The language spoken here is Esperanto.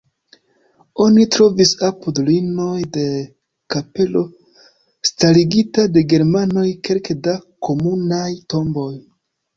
Oni trovis apud ruinoj de kapelo starigita de germanoj kelke da komunaj tomboj.